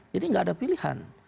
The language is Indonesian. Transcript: jadi tidak ada pilihan